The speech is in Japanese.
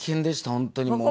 本当にもう。